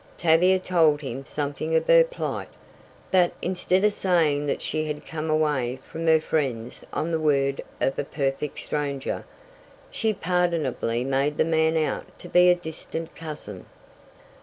Tavia told him something of her plight, but instead of saying that she had come away from her friends on the word of a perfect stranger, she pardonably made the man out to be a distant cousin.